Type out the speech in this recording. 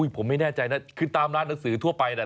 ผมไม่แน่ใจนะคือตามร้านหนังสือทั่วไปนะ